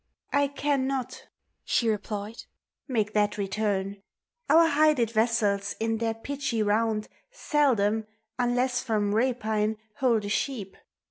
1 cannot, she replied, make thai return: Our hided vessels in their pitchj round Seldom, unless from rapine, hold a sheep.